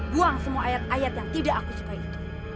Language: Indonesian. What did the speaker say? buang semua ayat ayat yang tidak aku sukai